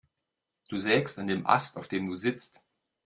Du sägst an dem Ast, auf dem du sitzt.